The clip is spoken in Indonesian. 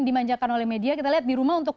dimanjakan oleh media kita lihat di rumah untuk